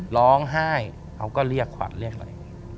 ร้องไห้เขาก็เรียกขวัญเรียกอะไร